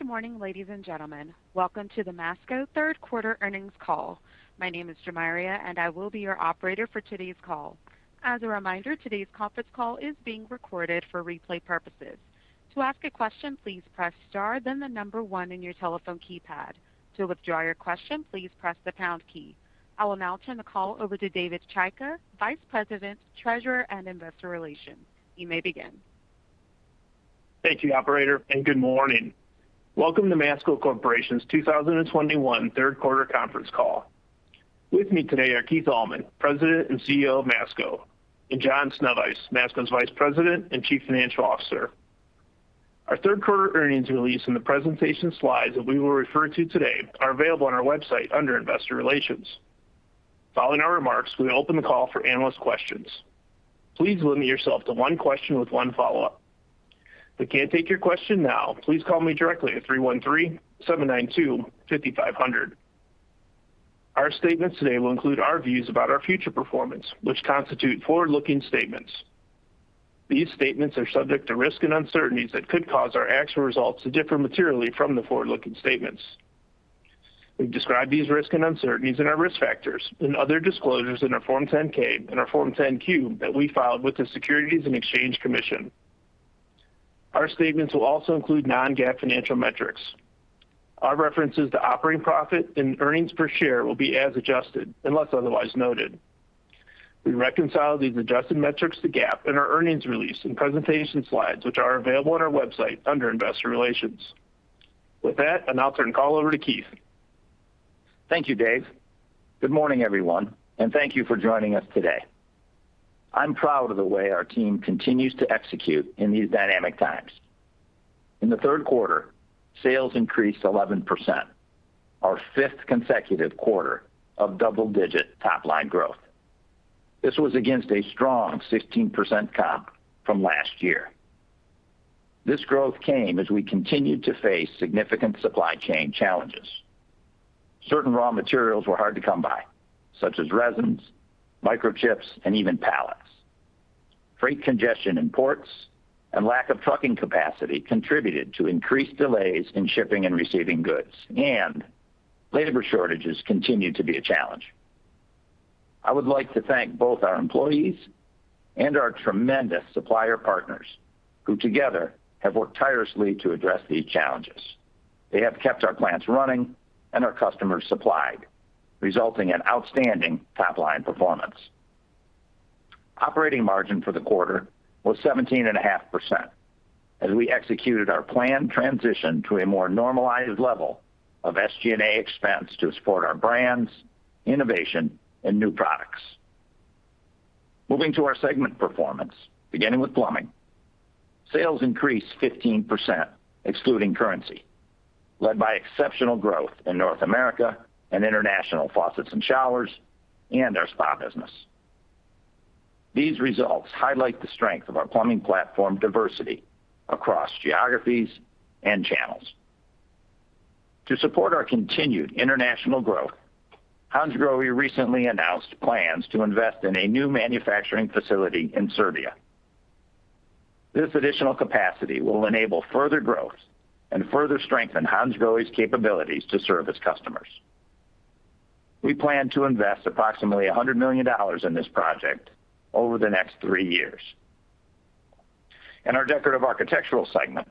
Good morning, ladies and gentlemen. Welcome to the Masco third quarter earnings call. My name is Jumeirah, and I will be your operator for today's call. As a reminder, today's conference call is being recorded for replay purposes. To ask a question, please press star then the number one in your telephone keypad. To withdraw your question, please press the pound key. I will now turn the call over to David Chaika, Vice President, Treasurer, and Investor Relations. You may begin. Thank you, operator, and good morning. Welcome to Masco Corporation's 2021 third quarter conference call. With me today are Keith Allman, President and CEO of Masco, and John Sznewajs, Masco's Vice President and Chief Financial Officer. Our third quarter earnings release and the presentation slides that we will refer to today are available on our website under Investor Relations. Following our remarks, we will open the call for analyst questions. Please limit yourself to one question with one follow-up. If we can't take your question now, please call me directly at 313-792-5500. Our statements today will include our views about our future performance, which constitute forward-looking statements. These statements are subject to risks and uncertainties that could cause our actual results to differ materially from the forward-looking statements. We've described these risks and uncertainties in our risk factors and other disclosures in our Form 10-K and our Form 10-Q that we filed with the Securities and Exchange Commission. Our statements will also include non-GAAP financial metrics. Our references to operating profit and earnings per share will be as adjusted unless otherwise noted. We reconcile these adjusted metrics to GAAP in our earnings release and presentation slides, which are available on our website under Investor Relations. With that, I'll now turn the call over to Keith. Thank you, Dave. Good morning, everyone, and thank you for joining us today. I'm proud of the way our team continues to execute in these dynamic times. In the third quarter, sales increased 11%, our fifth consecutive quarter of double-digit top-line growth. This was against a strong 16% comp from last year. This growth came as we continued to face significant supply chain challenges. Certain raw materials were hard to come by, such as resins, microchips, and even pallets. Freight congestion in ports and lack of trucking capacity contributed to increased delays in shipping and receiving goods. Labor shortages continued to be a challenge. I would like to thank both our employees and our tremendous supplier partners who together have worked tirelessly to address these challenges. They have kept our plants running and our customers supplied, resulting in outstanding top-line performance. Operating margin for the quarter was 17.5% as we executed our planned transition to a more normalized level of SG&A expense to support our brands, innovation, and new products. Moving to our segment performance. Beginning with plumbing, sales increased 15% excluding currency, led by exceptional growth in North America and international faucets and showers and our spa business. These results highlight the strength of our plumbing platform diversity across geographies and channels. To support our continued international growth, Hansgrohe recently announced plans to invest in a new manufacturing facility in Serbia. This additional capacity will enable further growth and further strengthen Hansgrohe's capabilities to serve its customers. We plan to invest approximately $100 million in this project over the next three years. In our decorative architectural segment,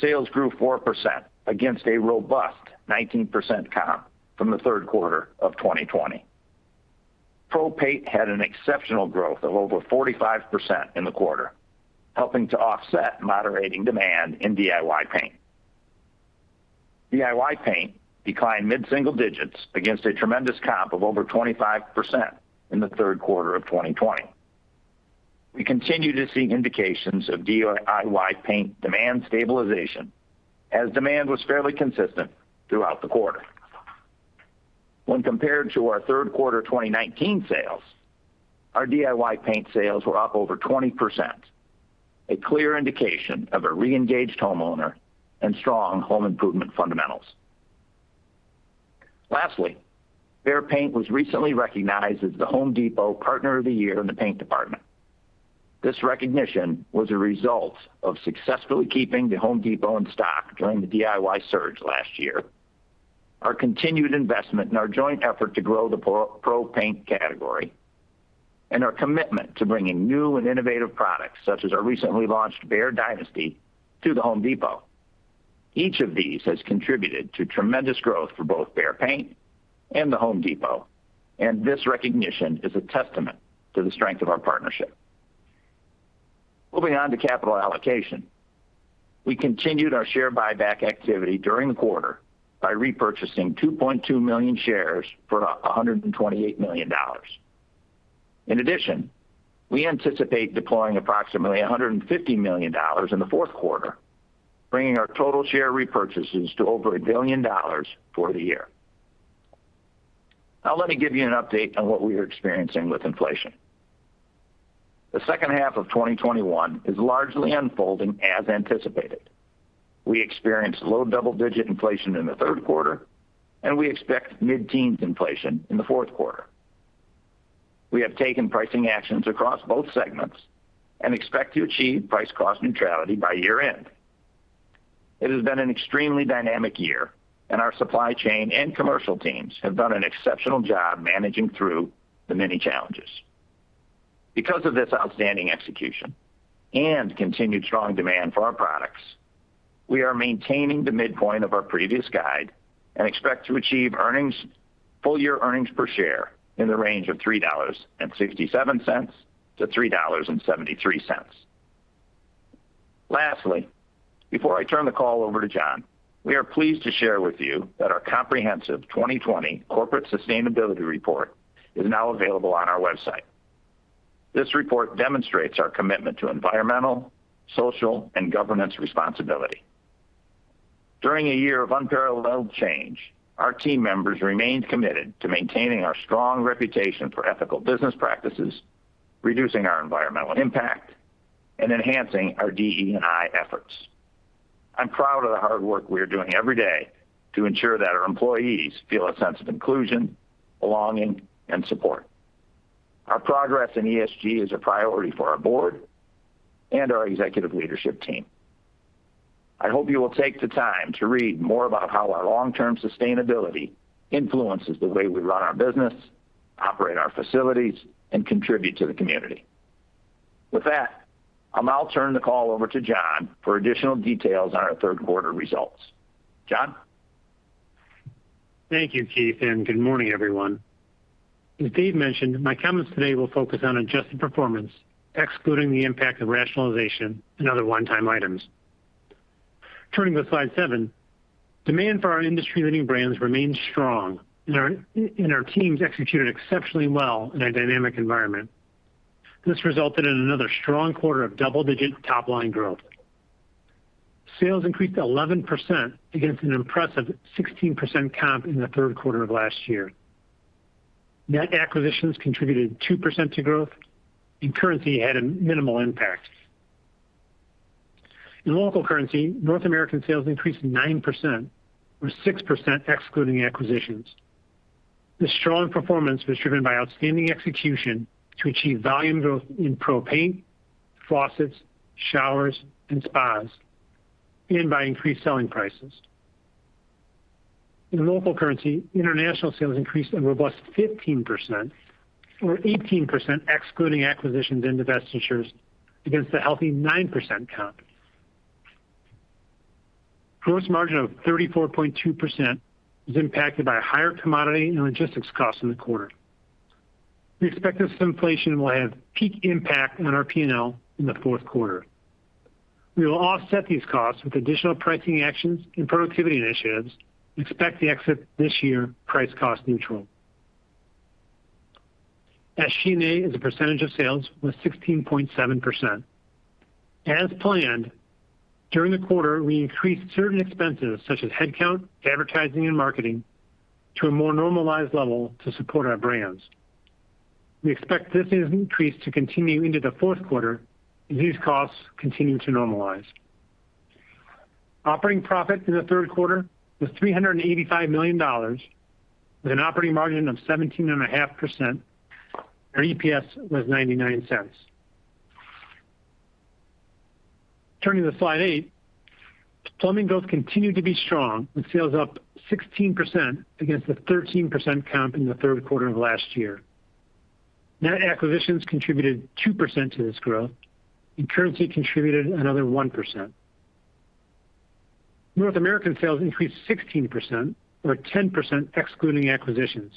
sales grew 4% against a robust 19% comp from the third quarter of 2020. Pro paint had an exceptional growth of over 45% in the quarter, helping to offset moderating demand in DIY paint. DIY paint declined mid-single digits against a tremendous comp of over 25% in the third quarter of 2020. We continue to see indications of DIY paint demand stabilization as demand was fairly consistent throughout the quarter. When compared to our third quarter 2019 sales, our DIY paint sales were up over 20%, a clear indication of a re-engaged homeowner and strong home improvement fundamentals. Lastly, Behr Paint was recently recognized as the Home Depot partner of the year in the paint department. This recognition was a result of successfully keeping the Home Depot in stock during the DIY surge last year. Our continued investment and our joint effort to grow the pro paint category and our commitment to bringing new and innovative products, such as our recently launched BEHR DYNASTY, to The Home Depot. Each of these has contributed to tremendous growth for both Behr Paint and The Home Depot, and this recognition is a testament to the strength of our partnership. Moving on to capital allocation. We continued our share buyback activity during the quarter by repurchasing 2.2 million shares for $128 million. In addition, we anticipate deploying approximately $150 million in the fourth quarter, bringing our total share repurchases to over $1 billion for the year. Now let me give you an update on what we are experiencing with inflation. The second half of 2021 is largely unfolding as anticipated. We experienced low double-digit inflation in the third quarter, and we expect mid-teens inflation in the fourth quarter. We have taken pricing actions across both segments and expect to achieve price cost neutrality by year-end. It has been an extremely dynamic year, and our supply chain and commercial teams have done an exceptional job managing through the many challenges. Because of this outstanding execution and continued strong demand for our products, we are maintaining the midpoint of our previous guide and expect to achieve earnings, full-year earnings per share in the range of $3.67-$3.73. Lastly, before I turn the call over to John, we are pleased to share with you that our comprehensive 2020 Corporate Sustainability Report is now available on our website. This report demonstrates our commitment to environmental, social, and governance responsibility. During a year of unparalleled change, our team members remained committed to maintaining our strong reputation for ethical business practices, reducing our environmental impact, and enhancing our DE&I efforts. I'm proud of the hard work we are doing every day to ensure that our employees feel a sense of inclusion, belonging, and support. Our progress in ESG is a priority for our board and our executive leadership team. I hope you will take the time to read more about how our long-term sustainability influences the way we run our business, operate our facilities, and contribute to the community. With that, I'll now turn the call over to John for additional details on our third quarter results. John? Thank you, Keith, and good morning, everyone. As Dave mentioned, my comments today will focus on adjusted performance, excluding the impact of rationalization and other one-time items. Turning to slide 7. Demand for our industry-leading brands remained strong and our teams executed exceptionally well in a dynamic environment. This resulted in another strong quarter of double-digit top-line growth. Sales increased 11% against an impressive 16% comp in the third quarter of last year. Net acquisitions contributed 2% to growth, and currency had a minimal impact. In local currency, North American sales increased 9% or 6% excluding acquisitions. This strong performance was driven by outstanding execution to achieve volume growth in pro paint, faucets, showers, and spas, and by increased selling prices. In local currency, international sales increased a robust 15% or 18% excluding acquisitions and divestitures against a healthy 9% comp. Gross margin of 34.2% was impacted by higher commodity and logistics costs in the quarter. We expect this inflation will have peak impact on our P&L in the fourth quarter. We will offset these costs with additional pricing actions and productivity initiatives and expect to exit this year price cost neutral. SG&A as a percentage of sales was 16.7%. As planned, during the quarter, we increased certain expenses such as headcount, advertising, and marketing to a more normalized level to support our brands. We expect this increase to continue into the fourth quarter as these costs continue to normalize. Operating profit in the third quarter was $385 million with an operating margin of 17.5%. Our EPS was $0.99. Turning to slide eight. Plumbing growth continued to be strong, with sales up 16% against the 13% comp in the third quarter of last year. Net acquisitions contributed 2% to this growth, and currency contributed another 1%. North American sales increased 16% or 10% excluding acquisitions.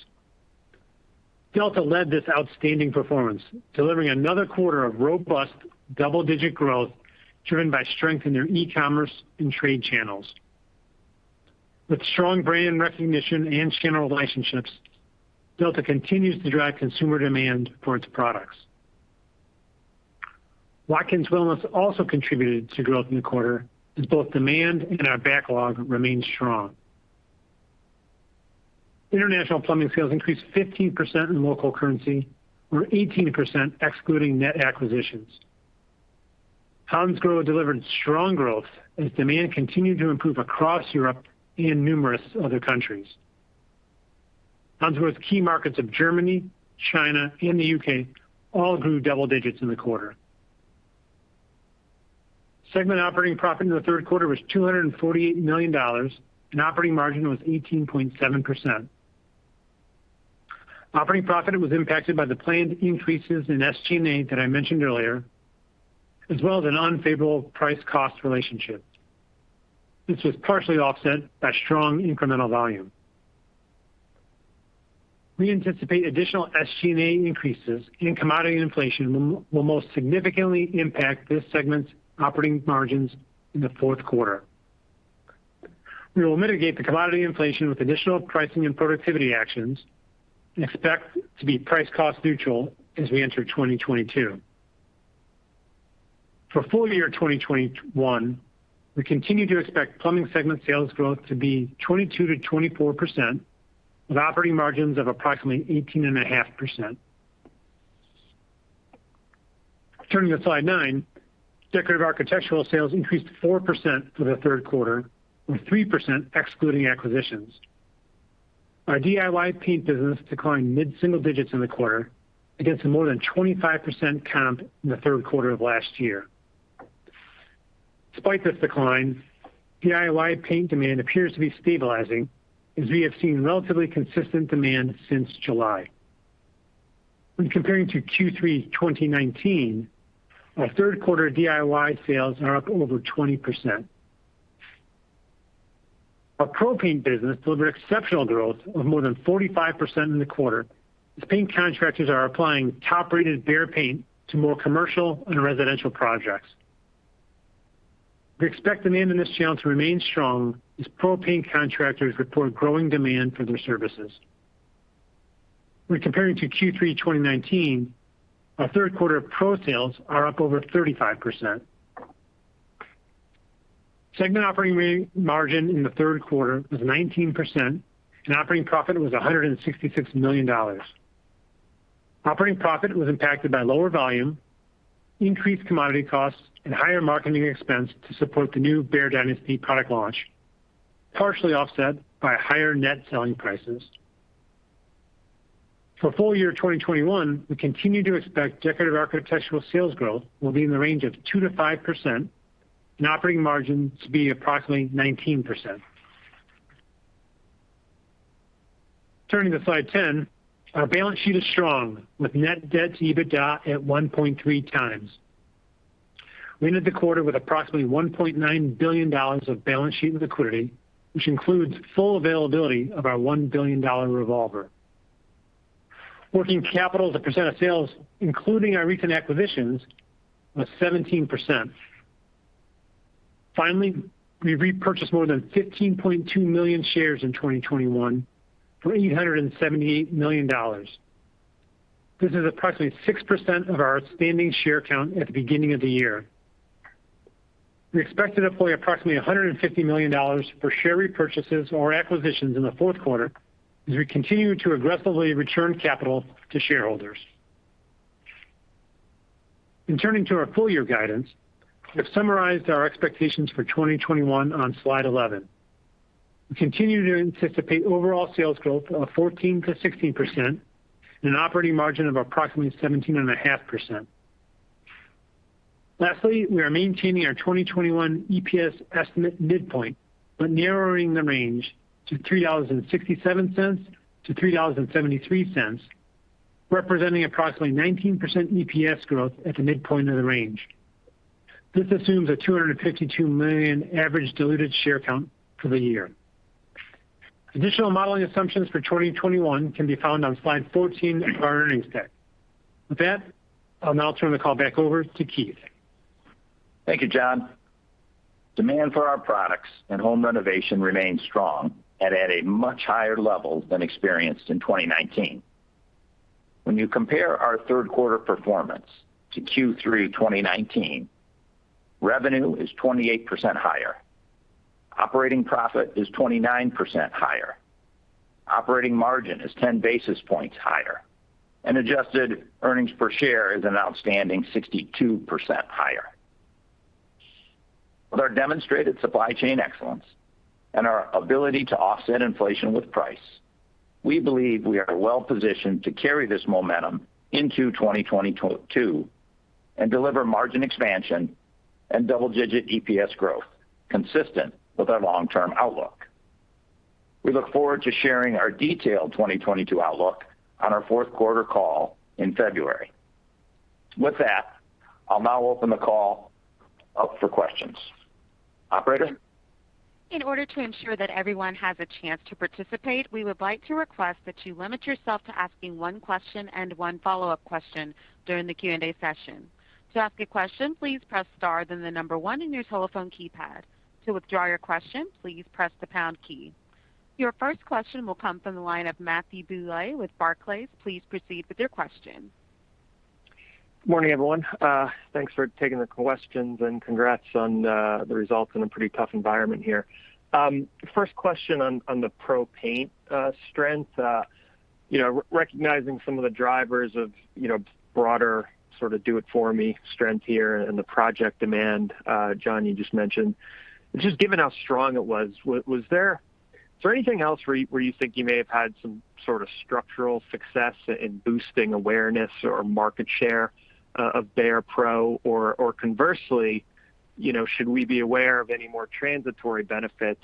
Delta led this outstanding performance, delivering another quarter of robust double-digit growth driven by strength in their e-commerce and trade channels. With strong brand recognition and channel relationships, Delta continues to drive consumer demand for its products. Watkins Wellness also contributed to growth in the quarter as both demand and our backlog remained strong. International plumbing sales increased 15% in local currency or 18% excluding net acquisitions. Hansgrohe delivered strong growth as demand continued to improve across Europe and numerous other countries. Hansgrohe's key markets of Germany, China, and the U.K. all grew double digits in the quarter. Segment operating profit in the third quarter was $248 million, and operating margin was 18.7%. Operating profit was impacted by the planned increases in SG&A that I mentioned earlier, as well as an unfavorable price cost relationship, which was partially offset by strong incremental volume. We anticipate additional SG&A increases and commodity inflation will most significantly impact this segment's operating margins in the fourth quarter. We will mitigate the commodity inflation with additional pricing and productivity actions and expect to be price cost neutral as we enter 2022. For full year 2021, we continue to expect Plumbing segment sales growth to be 22%-24% with operating margins of approximately 18.5%. Turning to slide 9, Decorative Architectural sales increased 4% for the third quarter, with 3% excluding acquisitions. Our DIY paint business declined mid-single digits in the quarter against a more than 25% comp in the third quarter of last year. Despite this decline, DIY paint demand appears to be stabilizing as we have seen relatively consistent demand since July. When comparing to Q3 2019, our third quarter DIY sales are up over 20%. Our pro-paint business delivered exceptional growth of more than 45% in the quarter, as paint contractors are applying top-rated Behr paint to more commercial and residential projects. We expect demand in this channel to remain strong as pro-paint contractors report growing demand for their services. When comparing to Q3 2019, our third quarter pro sales are up over 35%. Segment operating margin in the third quarter was 19% and operating profit was $166 million. Operating profit was impacted by lower volume, increased commodity costs, and higher marketing expense to support the new BEHR DYNASTY product launch, partially offset by higher net selling prices. For full year 2021, we continue to expect decorative architectural sales growth will be in the range of 2%-5% and operating margin to be approximately 19%. Turning to slide 10, our balance sheet is strong with net debt to EBITDA at 1.3x. We ended the quarter with approximately $1.9 billion of balance sheet liquidity, which includes full availability of our $1 billion revolver. Working capital as a percent of sales, including our recent acquisitions, was 17%. Finally, we repurchased more than 15.2 million shares in 2021 for $878 million. This is approximately 6% of our outstanding share count at the beginning of the year. We expect to deploy approximately $150 million for share repurchases or acquisitions in the fourth quarter as we continue to aggressively return capital to shareholders. In turning to our full year guidance, we have summarized our expectations for 2021 on slide 11. We continue to anticipate overall sales growth of 14%-16% and an operating margin of approximately 17.5%. Lastly, we are maintaining our 2021 EPS estimate midpoint, but narrowing the range to $3.67-$3.73, representing approximately 19% EPS growth at the midpoint of the range. This assumes a 252 million average diluted share count for the year. Additional modeling assumptions for 2021 can be found on slide 14 of our earnings deck. With that, I'll now turn the call back over to Keith. Thank you, John. Demand for our products and home renovation remains strong and at a much higher level than experienced in 2019. When you compare our third quarter performance to Q3 2019, revenue is 28% higher. Operating profit is 29% higher. Operating margin is 10 basis points higher, and adjusted earnings per share is an outstanding 62% higher. With our demonstrated supply chain excellence and our ability to offset inflation with price, we believe we are well positioned to carry this momentum into 2022 and deliver margin expansion and double-digit EPS growth consistent with our long-term outlook. We look forward to sharing our detailed 2022 outlook on our fourth quarter call in February. With that, I'll now open the call up for questions. Operator? In order to ensure that everyone has a chance to participate, we would like to request that you limit yourself to asking one question and one follow-up question during the Q&A session. To ask a question, please press star then the number one in your telephone keypad. To withdraw your question, please press the pound key. Your first question will come from the line of Matthew Bouley with Barclays. Please proceed with your question. Morning, everyone. Thanks for taking the questions and congrats on the results in a pretty tough environment here. First question on the pro paint strength. Recognizing some of the drivers of, broader sort of do it for me strength here and the project demand, John, you just mentioned. Just given how strong it was, is there anything else where you think you may have had some sort of structural success in boosting awareness or market share of Behr Pro? Or, conversely, should we be aware of any more transitory benefits,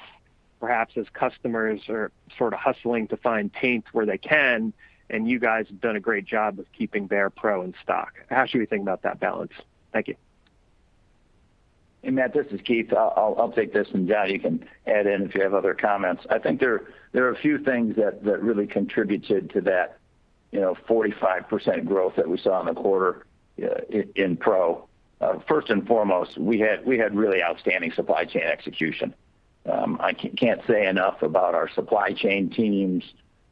perhaps as customers are sort of hustling to find paint where they can and you guys have done a great job of keeping Behr Pro in stock? How should we think about that balance? Thank you. Hey, Matt, this is Keith. I'll take this, and John, you can add in if you have other comments. I think there are a few things that really contributed to that, 45% growth that we saw in the quarter in Pro. First and foremost, we had really outstanding supply chain execution. I can't say enough about our supply chain teams,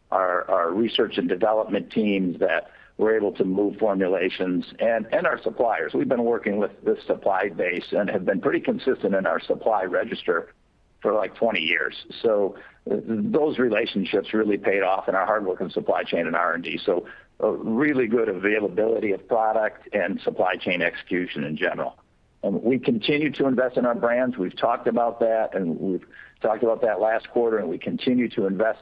our research and development teams that were able to move formulations and our suppliers. We've been working with this supply base and have been pretty consistent in our supply relationships for like 20 years. Those relationships really paid off in our hard work and supply chain and R&D. We had a really good availability of product and supply chain execution in general. We continue to invest in our brands. We've talked about that, and we've talked about that last quarter, and we continue to invest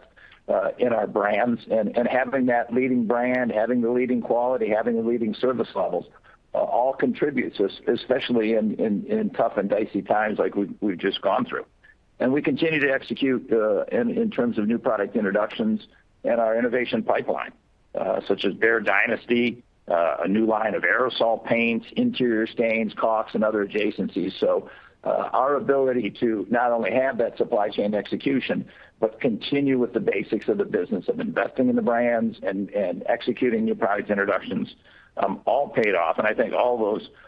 in our brands and having that leading brand, having the leading quality, having the leading service levels all contributes especially in tough and dicey times like we've just gone through. We continue to execute in terms of new product introductions and our innovation pipeline such as BEHR DYNASTY, a new line of aerosol paints, interior stains, caulks, and other adjacencies. Our ability to not only have that supply chain execution, but continue with the basics of the business of investing in the brands and executing new product introductions all paid off. I think all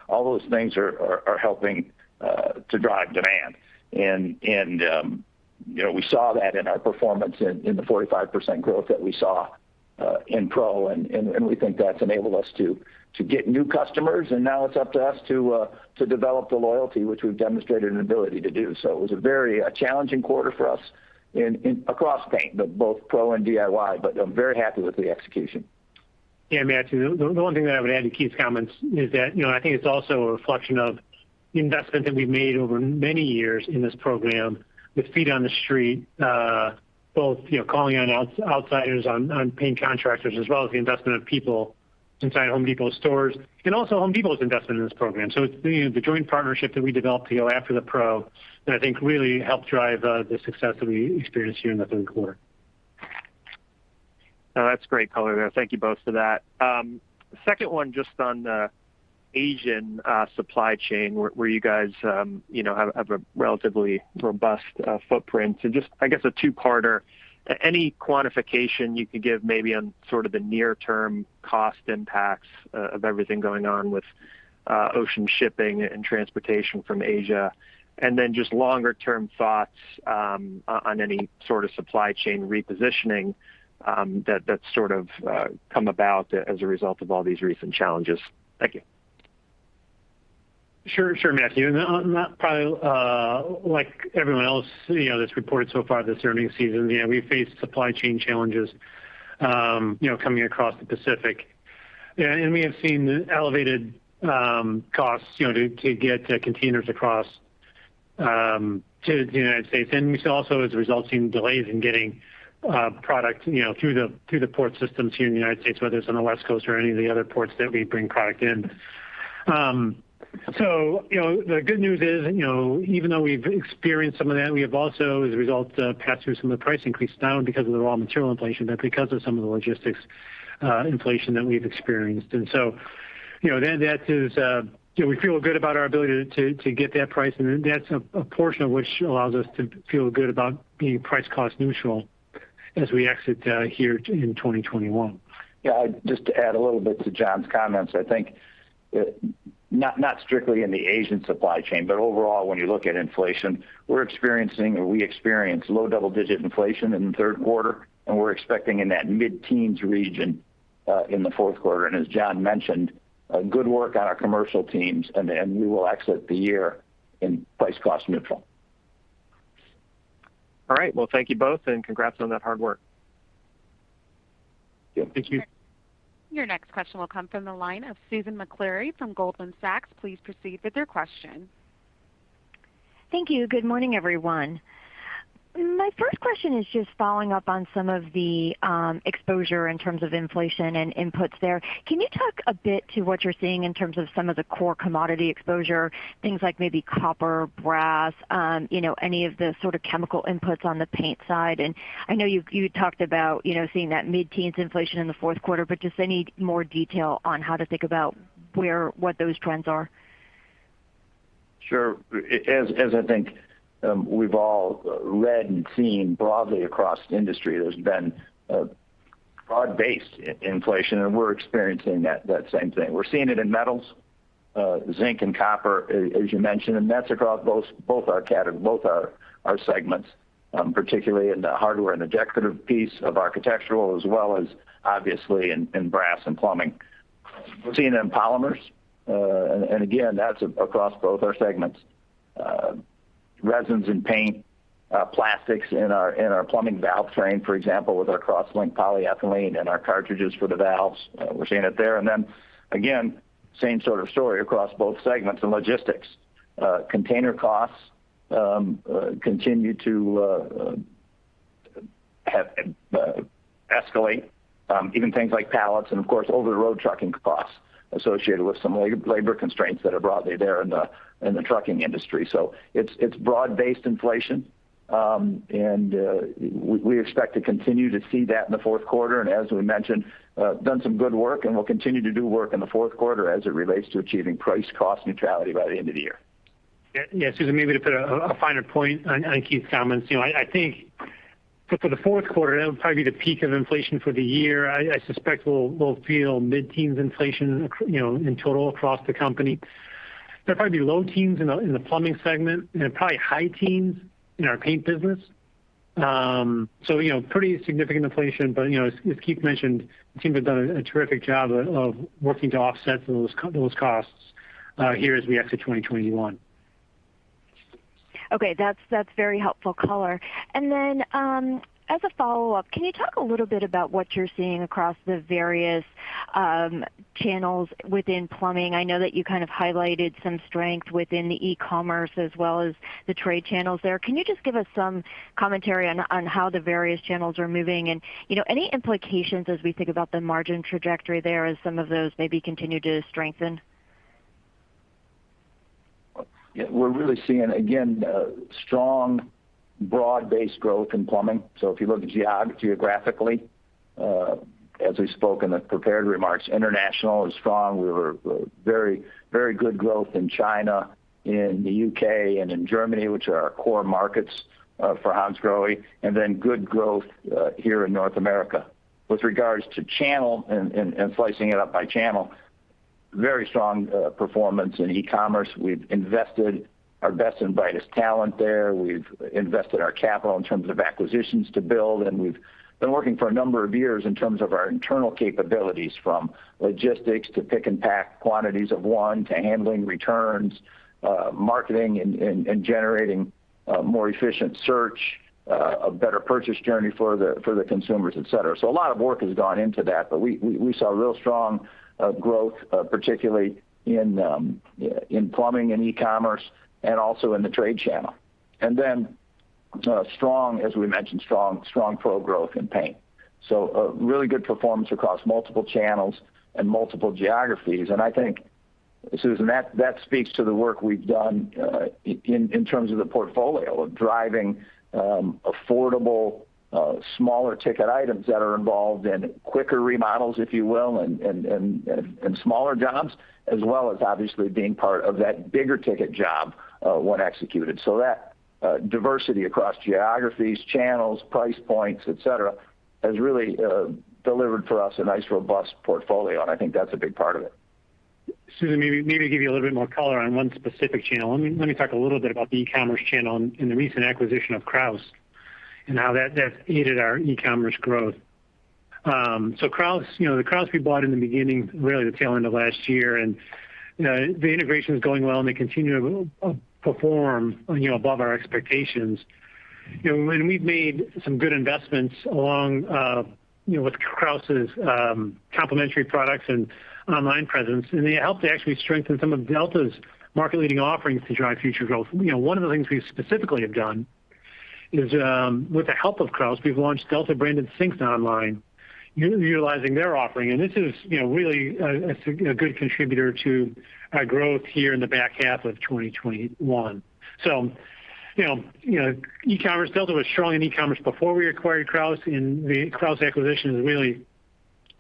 those things are helping to drive demand. We saw that in our performance in the 45% growth that we saw in Pro, and we think that's enabled us to get new customers, and now it's up to us to develop the loyalty which we've demonstrated an ability to do. It was a very challenging quarter for us across paint, both Pro and DIY, but I'm very happy with the execution. Yeah, Matthew, the one thing that I would add to Keith's comments is that, I think it's also a reflection of the investment that we've made over many years in this program with feet on the street, both, calling on outsiders, on paint contractors, as well as the investment of people inside Home Depot stores, and also Home Depot's investment in this program. It's, the joint partnership that we developed, after the Pro that I think really helped drive the success that we experienced here in the third quarter. No, that's great color there. Thank you both for that. Second one just on the Asian supply chain where you guys you know have a relatively robust footprint. Just, I guess a two-parter, any quantification you could give maybe on sort of the near term cost impacts of everything going on with ocean shipping and transportation from Asia. And then just longer term thoughts on any sort of supply chain repositioning that that's sort of come about as a result of all these recent challenges. Thank you. Sure, Matthew. Probably like everyone else that's reported so far this earnings season, we faced supply chain challenges, coming across the Pacific. We have seen elevated costs, to get containers across to the United States. We have also seen delays in getting product, through the port systems here in the United States, whether it's on the West Coast or any of the other ports that we bring product in. The good news is, even though we've experienced some of that, we have also, as a result, passed through some of the price increase, not only because of the raw material inflation, but because of some of the logistics inflation that we've experienced. That is, we feel good about our ability to get that price. That's a portion of which allows us to feel good about being price cost neutral as we exit here in 2021. Yeah, just to add a little bit to John's comments. I think, not strictly in the Asian supply chain, but overall, when you look at inflation, we're experiencing or we experienced low double-digit inflation in the third quarter, and we're expecting in that mid-teens region in the fourth quarter. As John mentioned, good work on our commercial teams and we will exit the year in price cost neutral. All right. Well, thank you both, and congrats on that hard work. Yeah, thank you. Your next question will come from the line of Susan Maklari from Goldman Sachs. Please proceed with your question. Thank you. Good morning, everyone. My first question is just following up on some of the exposure in terms of inflation and inputs there. Can you talk a bit to what you're seeing in terms of some of the core commodity exposure, things like maybe copper, brass, any of the sort of chemical inputs on the paint side? I know you talked about, seeing that mid-teens inflation in the fourth quarter, but just any more detail on how to think about what those trends are? Sure. As I think, we've all read and seen broadly across the industry, there's been a broad-based inflation, and we're experiencing that same thing. We're seeing it in metals, zinc and copper, as you mentioned, and that's across both our segments, particularly in the hardware and the decorative piece of architectural, as well as obviously in brass and plumbing. We're seeing it in polymers, and again, that's across both our segments. Resins in paint, plastics in our plumbing valve train, for example, with our cross-linked polyethylene and our cartridges for the valves, we're seeing it there. Then again, same sort of story across both segments in logistics. Container costs continue to escalate, even things like pallets and of course, over-the-road trucking costs associated with some labor constraints that are broadly there in the trucking industry. It's broad-based inflation, and we expect to continue to see that in the fourth quarter. As we mentioned, we've done some good work and we'll continue to do work in the fourth quarter as it relates to achieving price-cost neutrality by the end of the year. Yeah, Susan, maybe to put a finer point on Keith's comments. I think for the fourth quarter, that would probably be the peak of inflation for the year. I suspect we'll feel mid-teens inflation, in total across the company. There'll probably be low teens in the plumbing segment and probably high teens in our paint business. So, pretty significant inflation, but, as Keith mentioned, the team has done a terrific job of working to offset some of those costs here as we exit 2021. Okay. That's very helpful color. Then, as a follow-up, can you talk a little bit about what you're seeing across the various channels within plumbing? I know that you kind of highlighted some strength within the e-commerce as well as the trade channels there. Can you just give us some commentary on how the various channels are moving? any implications as we think about the margin trajectory there as some of those maybe continue to strengthen? Yeah. We're really seeing, again, strong broad-based growth in plumbing. If you look geographically, as we spoke in the prepared remarks, international is strong. We were very good growth in China, in the U.K., and in Germany, which are our core markets, for Hansgrohe, and then good growth here in North America. With regards to channel and slicing it up by channel, very strong performance in e-commerce. We've invested our best and brightest talent there. We've invested our capital in terms of acquisitions to build, and we've been working for a number of years in terms of our internal capabilities, from logistics to pick and pack quantities of one, to handling returns, marketing and generating more efficient search, a better purchase journey for the consumers, et cetera. A lot of work has gone into that, but we saw real strong growth particularly in plumbing and e-commerce and also in the trade channel. Strong, as we mentioned, pro growth in paint. Really good performance across multiple channels and multiple geographies. I think, Susan, that speaks to the work we've done in terms of the portfolio of driving affordable smaller ticket items that are involved in quicker remodels, if you will, and smaller jobs, as well as obviously being part of that bigger ticket job when executed. That diversity across geographies, channels, price points, et cetera, has really delivered for us a nice, robust portfolio, and I think that's a big part of it. Susan, maybe to give you a little bit more color on one specific channel. Let me talk a little bit about the e-commerce channel and the recent acquisition of Kraus and how that's aided our e-commerce growth. So Kraus, the Kraus we bought in the beginning, really the tail end of last year, and the integration's going well, and they continue to perform, above our expectations. We've made some good investments along, with Kraus's complementary products and online presence, and they helped to actually strengthen some of Delta's market leading offerings to drive future growth. One of the things we specifically have done is, with the help of Kraus, we've launched Delta-branded sinks online utilizing their offering. This is, really a good contributor to our growth here in the back half of 2021. E-commerce, Delta was strong in e-commerce before we acquired Kraus, and the Kraus acquisition has really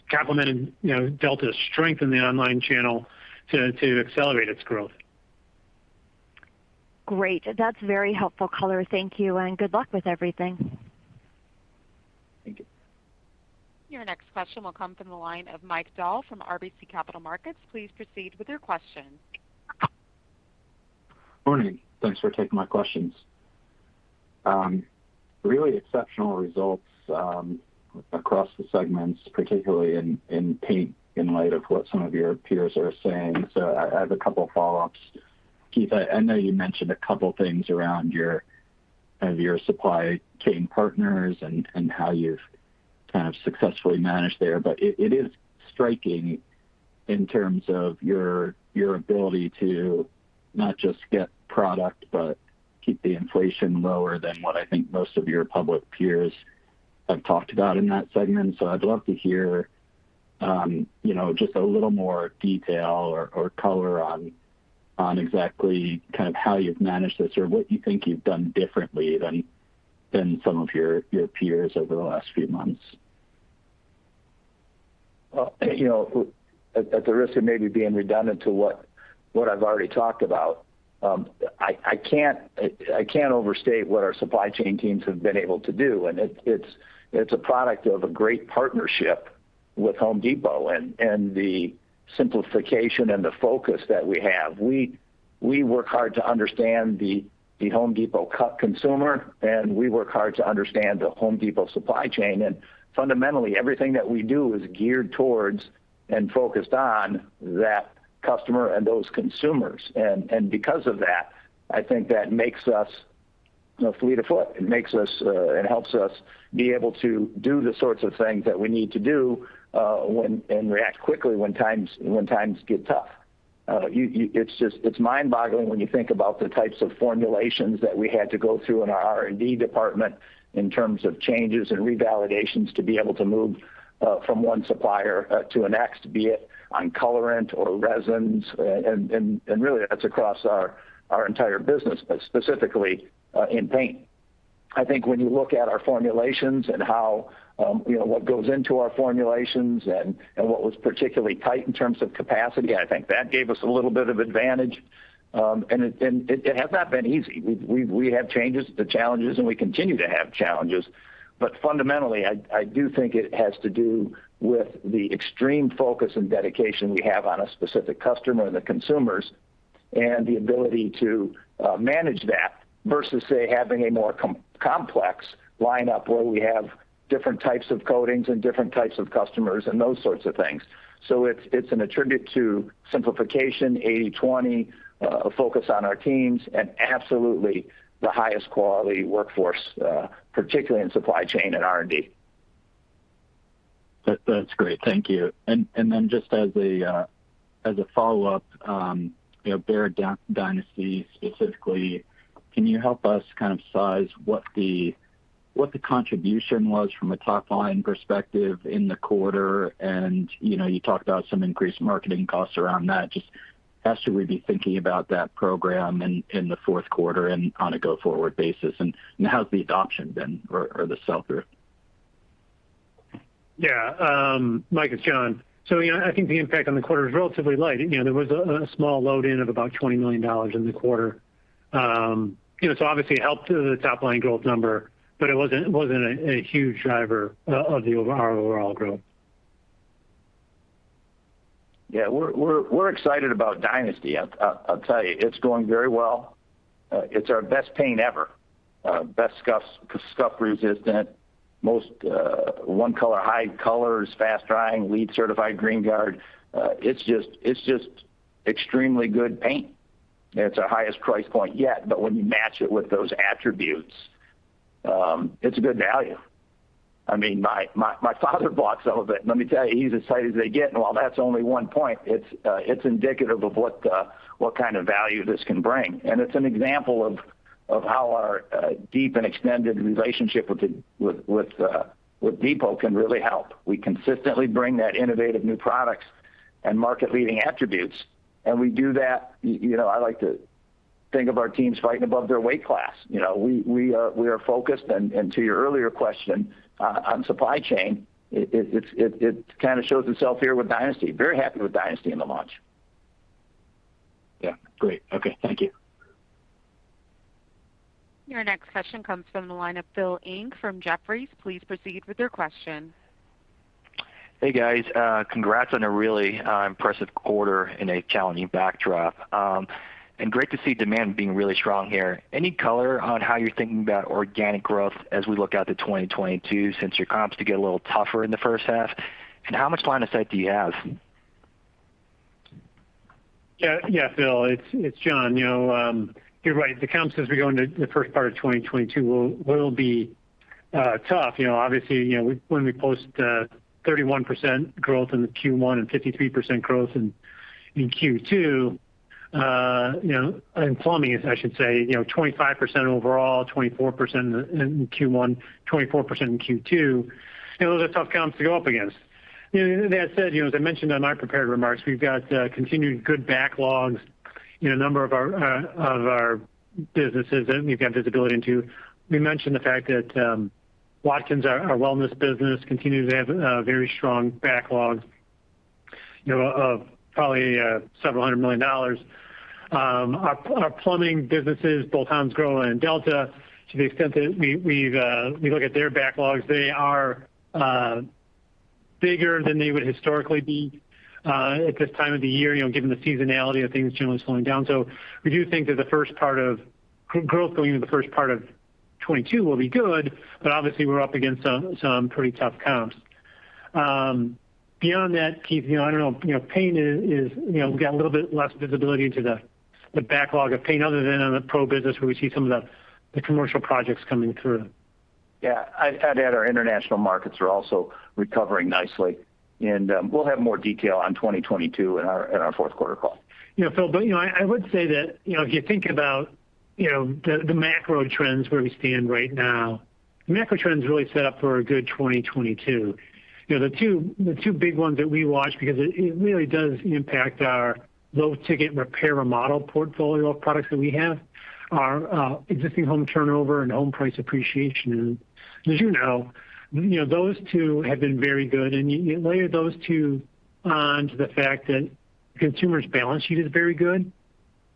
complemented, Delta's strength in the online channel to accelerate its growth. Great. That's very helpful color. Thank you, and good luck with everything. Thank you. Your next question will come from the line of Michael Dahl from RBC Capital Markets. Please proceed with your question. Morning. Thanks for taking my questions. Really exceptional results across the segments, particularly in paint in light of what some of your peers are saying. I have a couple follow-ups. Keith, I know you mentioned a couple things around your kind of supply chain partners and how you've kind of successfully managed there, but it is striking in terms of your ability to not just get product, but keep the inflation lower than what I think most of your public peers have talked about in that segment. I'd love to hear, just a little more detail or color on exactly kind of how you've managed this or what you think you've done differently than some of your peers over the last few months. Well, at the risk of maybe being redundant to what I've already talked about, I can't overstate what our supply chain teams have been able to do. It's a product of a great partnership with Home Depot and the simplification and the focus that we have. We work hard to understand the Home Depot consumer, and we work hard to understand the Home Depot supply chain. Fundamentally, everything that we do is geared towards and focused on that customer and those consumers. Because of that, I think that makes us a fleet of foot. It makes us. It helps us be able to do the sorts of things that we need to do and react quickly when times get tough. It's just mind-boggling when you think about the types of formulations that we had to go through in our R&D department in terms of changes and revalidations to be able to move from one supplier to the next, be it on colorant or resins, and really that's across our entire business, but specifically in paint. I think when you look at our formulations and how you know what goes into our formulations and what was particularly tight in terms of capacity, I think that gave us a little bit of advantage. It has not been easy. We've had challenges, and we continue to have challenges. Fundamentally, I do think it has to do with the extreme focus and dedication we have on a specific customer and the consumers and the ability to manage that versus, say, having a more complex lineup where we have different types of coatings and different types of customers and those sorts of things. It's an attribute to simplification, 80/20, a focus on our teams and absolutely the highest quality workforce, particularly in supply chain and R&D. That's great. Thank you. Then just as a follow-up, Behr Dynasty specifically, can you help us kind of size what the contribution was from a top line perspective in the quarter? you talked about some increased marketing costs around that. Just how should we be thinking about that program in the fourth quarter and on a go-forward basis? How's the adoption been or the sell-through? Yeah. Mike, it's John. I think the impact on the quarter is relatively light. There was a small load in of about $20 million in the quarter. So obviously it helped the top line growth number, but it wasn't a huge driver of our overall growth. Yeah. We're excited about DYNASTY, I'll tell you. It's going very well. It's our best paint ever. Best scuff resistant, most one-coat, high colors, fast drying, lead certified, Greenguard. It's just extremely good paint. It's our highest price point yet. But when you match it with those attributes, it's a good value. I mean, my father bought some of it, let me tell you, he's excited as they get. While that's only one point, it's indicative of what kind of value this can bring. It's an example of how our deep and extended relationship with Depot can really help. We consistently bring that innovative new products and market leading attributes, and we do that. I like to think of our teams fighting above their weight class. We are focused. To your earlier question on supply chain, it kind of shows itself here with Dynasty. Very happy with Dynasty and the launch. Yeah. Great. Okay. Thank you. Your next question comes from the line of Philip Ng from Jefferies. Please proceed with your question. Hey, guys. Congrats on a really impressive quarter in a challenging backdrop. Great to see demand being really strong here. Any color on how you're thinking about organic growth as we look out to 2022, since your comps did get a little tougher in the first half? And how much line of sight do you have? Yeah, Phil, it's John. You're right. The comps as we go into the first part of 2022 will be tough. Obviously, when we post 31% growth in Q1 and 53% growth in Q2, in plumbing, I should say, 25% overall, 24% in Q1, 24% in Q2, those are tough comps to go up against. That said, as I mentioned on our prepared remarks, we've got continued good backlogs in a number of our businesses that we've got visibility into. We mentioned the fact that Watkins, our wellness business, continues to have very strong backlogs, of probably $several hundred million. Our plumbing businesses, both Hansgrohe and Delta, to the extent that we look at their backlogs, they are bigger than they would historically be at this time of the year, given the seasonality of things generally slowing down. We do think that the first part of growth going into the first part of 2022 will be good. Obviously we're up against some pretty tough comps. Beyond that, Keith, I don't know, paint is, we've got a little bit less visibility into the backlog of paint other than on the pro business where we see some of the commercial projects coming through. Yeah. I'd add our international markets are also recovering nicely. We'll have more detail on 2022 in our fourth quarter call. Phil, I would say that, if you think about, the macro trends where we stand right now, the macro trends really set up for a good 2022. The two big ones that we watch because it really does impact our low-ticket repair-and-remodel portfolio of products that we have are existing home turnover and home price appreciation. As those two have been very good. You layer those two onto the fact that consumers' balance sheet is very good.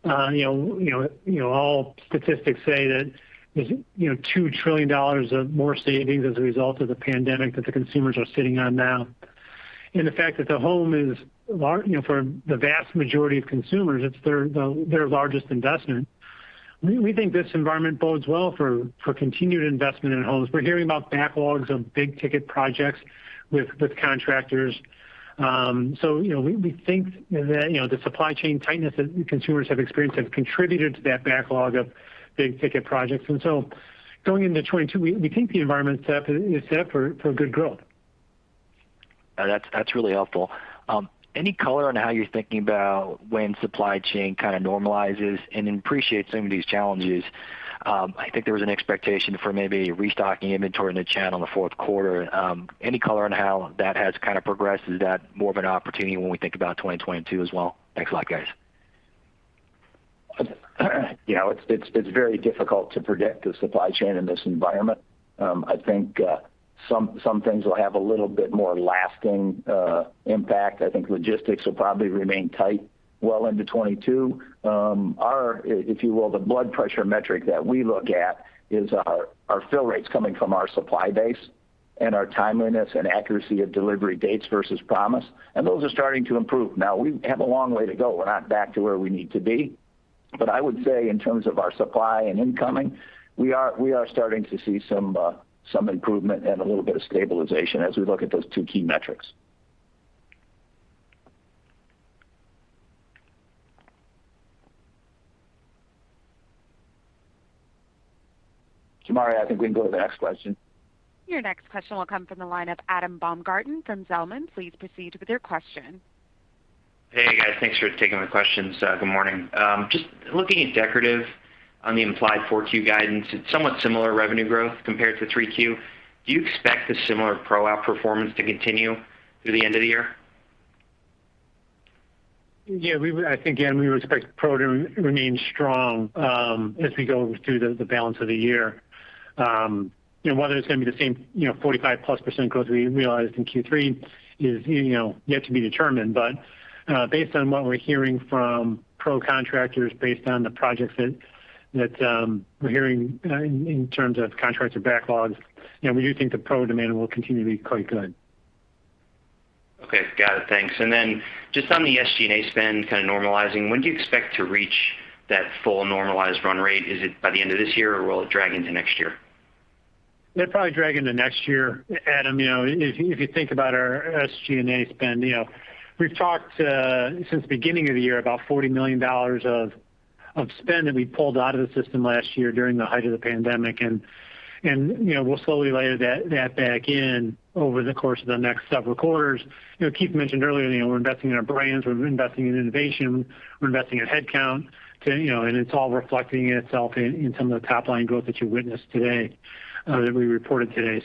All statistics say that there's, $2 trillion of more savings as a result of the pandemic that the consumers are sitting on now. The fact that the home is larger, for the vast majority of consumers, it's their largest investment. We think this environment bodes well for continued investment in homes. We're hearing about backlogs of big ticket projects with contractors. So we think that, the supply chain tightness that consumers have experienced have contributed to that backlog of big ticket projects. Going into 2022, we think the environment is set for good growth. That's really helpful. Any color on how you're thinking about when supply chain kind of normalizes and appreciate some of these challenges? I think there was an expectation for maybe restocking inventory in the channel in the fourth quarter. Any color on how that has kind of progressed? Is that more of an opportunity when we think about 2022 as well? Thanks a lot, guys. It's very difficult to predict the supply chain in this environment. I think some things will have a little bit more lasting impact. I think logistics will probably remain tight well into 2022. Our, if you will, the blood pressure metric that we look at is our fill rates coming from our supply base and our timeliness and accuracy of delivery dates versus promise, and those are starting to improve. Now we have a long way to go. We're not back to where we need to be, but I would say in terms of our supply and incoming, we are starting to see some improvement and a little bit of stabilization as we look at those two key metrics. Jamari, I think we can go to the next question. Your next question will come from the line of Adam Baumgarten from Zelman. Please proceed with your question. Hey, guys. Thanks for taking my questions. Good morning. Just looking at Decorative on the implied 4Q guidance, it's somewhat similar revenue growth compared to 3Q. Do you expect the similar pro paint performance to continue through the end of the year? I think, Adam, we expect pro to remain strong as we go through the balance of the year. Whether it's gonna be the same, 45%+ growth we realized in Q3 is yet to be determined. Based on what we're hearing from pro contractors, based on the projects that we're hearing in terms of contracts or backlogs, we do think the pro demand will continue to be quite good. Okay. Got it. Thanks. Just on the SG&A spend kind of normalizing, when do you expect to reach that full normalized run rate? Is it by the end of this year, or will it drag into next year? It'll probably drag into next year. Adam, if you think about our SG&A spend, we've talked since the beginning of the year about $40 million of spend that we pulled out of the system last year during the height of the pandemic. we'll slowly layer that back in over the course of the next several quarters. Keith mentioned earlier, we're investing in our brands, we're investing in innovation, we're investing in headcount to and it's all reflecting itself in some of the top line growth that you witnessed today, that we reported today.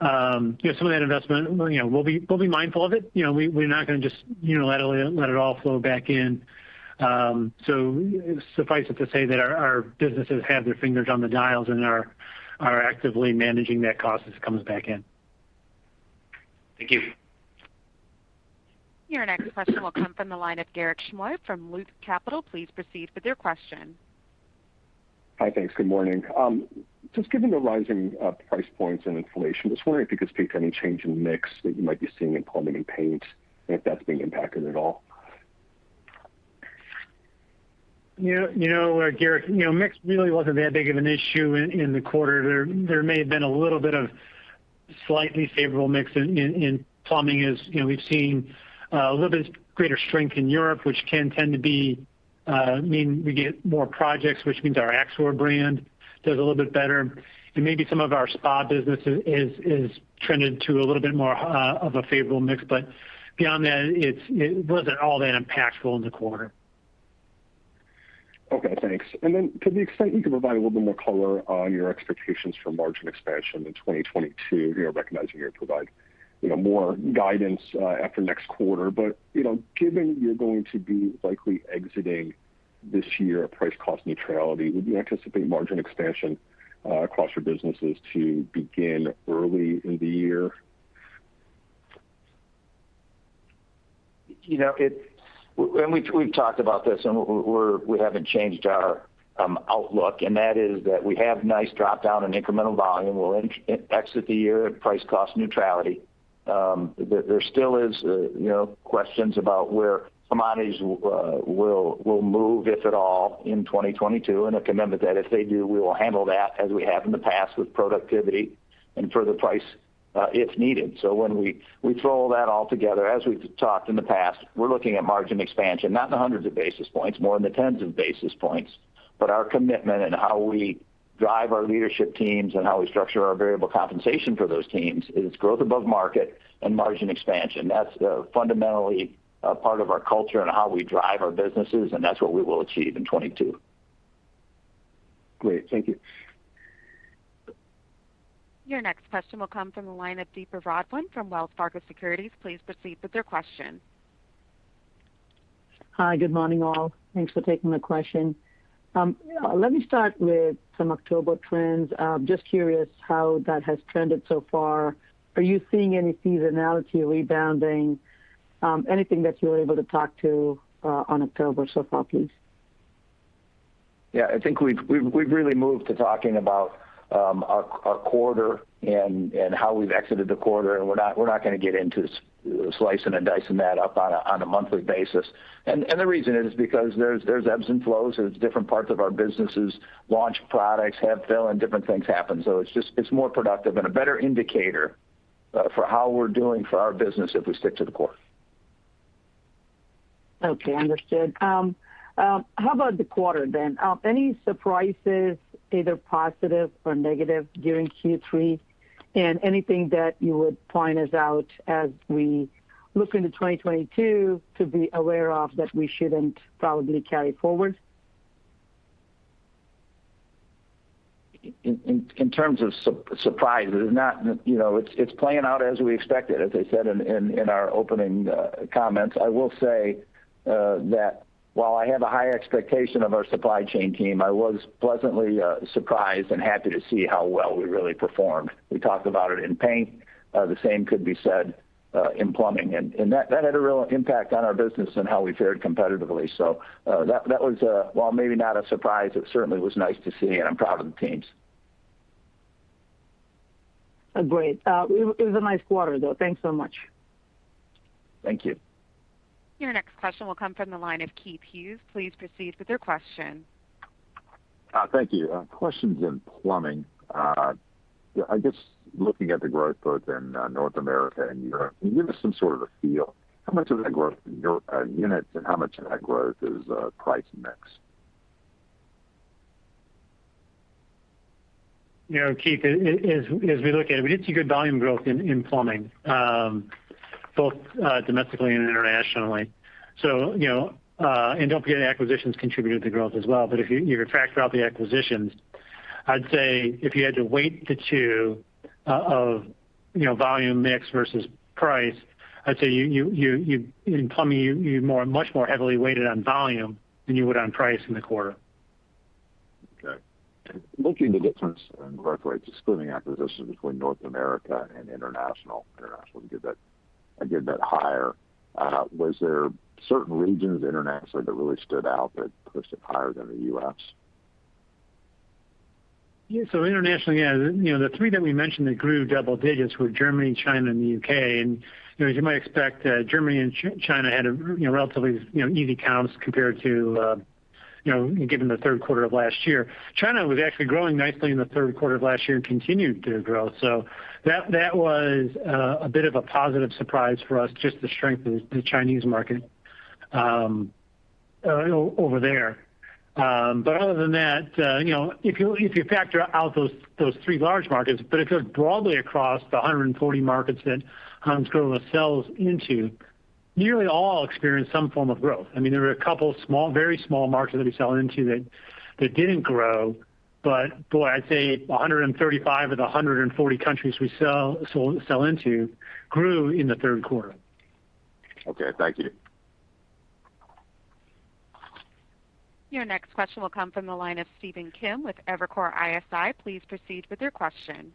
Some of that investment, we'll be mindful of it. We're not gonna just unilaterally let it all flow back in. Suffice it to say that our businesses have their fingers on the dials and are actively managing that cost as it comes back in. Thank you. Your next question will come from the line of Garik Shmois from Loop Capital. Please proceed with your question. Hi. Thanks. Good morning. Just given the rising price points and inflation, just wondering if you could speak to any change in mix that you might be seeing in plumbing and paint and if that's being impacted at all. Garik, mix really wasn't that big of an issue in the quarter. There may have been a little bit of slightly favorable mix in plumbing, as we've seen a little bit greater strength in Europe, which can tend to be I mean we get more projects, which means our AXOR brand does a little bit better. Maybe some of our spa business is trended to a little bit more of a favorable mix. Beyond that, it wasn't all that impactful in the quarter. Okay, thanks. To the extent you can provide a little bit more color on your expectations for margin expansion in 2022, recognizing you're gonna provide, more guidance after next quarter. Given you're going to be likely exiting this year at price cost neutrality, would you anticipate margin expansion across your businesses to begin early in the year? We've talked about this, and we haven't changed our outlook, and that is that we have nice drop-through in incremental volume. We'll exit the year at price-cost neutrality. There still is, questions about where commodities will move, if at all, in 2022. Our commitment that if they do, we will handle that as we have in the past with productivity and further price if needed. When we throw that all together, as we've talked in the past, we're looking at margin expansion, not in the hundreds of basis points, more in the tens of basis points. Our commitment and how we drive our leadership teams and how we structure our variable compensation for those teams is growth above market and margin expansion. That's fundamentally a part of our culture and how we drive our businesses, and that's what we will achieve in 2022. Great. Thank you. Your next question will come from the line of Deepa Raghavan from Wells Fargo Securities. Please proceed with your question. Hi. Good morning, all. Thanks for taking my question. Let me start with some October trends. Just curious how that has trended so far. Are you seeing any seasonality rebounding? Anything that you're able to talk to, on October so far, please? Yeah. I think we've really moved to talking about our quarter and how we've exited the quarter, and we're not gonna get into slicing and dicing that up on a monthly basis. The reason is because there's ebbs and flows. There's different parts of our businesses launch products, have fill, and different things happen. It's just more productive and a better indicator for how we're doing for our business if we stick to the quarter. Okay. Understood. How about the quarter then? Any surprises, either positive or negative during Q3, and anything that you would point out to us as we look into 2022 to be aware of that we shouldn't probably carry forward? In terms of surprises, it's playing out as we expected, as I said in our opening comments. I will say that while I have a high expectation of our supply chain team, I was pleasantly surprised and happy to see how well we really performed. We talked about it in paint. The same could be said in plumbing. That had a real impact on our business and how we fared competitively. That, while maybe not a surprise, it certainly was nice to see, and I'm proud of the teams. Great. It was a nice quarter, though. Thanks so much. Thank you. Your next question will come from the line of Keith Hughes. Please proceed with your question. Thank you. A question in plumbing. I guess looking at the growth both in North America and Europe, can you give us some sort of a feel how much of that growth in Europe are units and how much of that growth is price mix? Keith, as we look at it, we did see good volume growth in plumbing, both domestically and internationally. Don't forget acquisitions contributed to growth as well. If you factor out the acquisitions, I'd say if you had to weight the two of you volume mix versus price, I'd say in plumbing, you much more heavily weighted on volume than you would on price in the quarter. Okay. Looking at the difference in growth rates, excluding acquisitions between North America and international did that higher. Was there certain regions internationally that really stood out that pushed it higher than the U.S.? Yeah. Internationally, the three that we mentioned that grew double digits were Germany, China, and the U.K. as you might expect, Germany and China had a relatively easy comps compared to given the third quarter of last year. China was actually growing nicely in the third quarter of last year and continued to grow. That was a bit of a positive surprise for us, just the strength of the Chinese market over there. Other than that, if you factor out those three large markets, but if you look broadly across the 140 markets that Hansgrohe sells into, nearly all experienced some form of growth. I mean, there were a couple small, very small markets that we sell into that didn't grow. Boy, I'd say 135 of the 140 countries we sell into grew in the third quarter. Okay. Thank you. Your next question will come from the line of Stephen Kim with Evercore ISI. Please proceed with your question.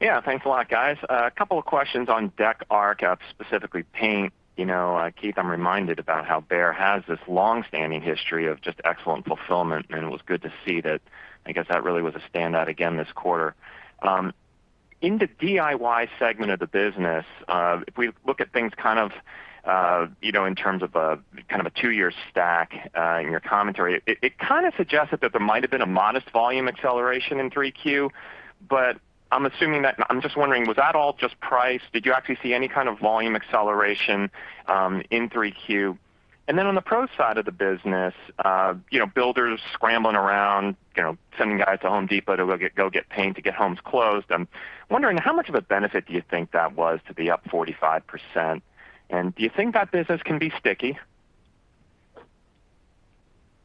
Yeah, thanks a lot, guys. A couple of questions on the core, specifically paint. Keith, I'm reminded about how Behr has this long-standing history of just excellent fulfillment, and it was good to see that. I guess that really was a standout again this quarter. In the DIY segment of the business, if we look at things kind of, in terms of a kind of two-year stack, in your commentary, it kinda suggested that there might have been a modest volume acceleration in 3Q. I'm just wondering, was that all just price? Did you actually see any kind of volume acceleration in 3Q? Then on the pro side of the business, builders scrambling around, sending guys to Home Depot to go get paint to get homes closed. I'm wondering, how much of a benefit do you think that was to be up 45%? Do you think that business can be sticky?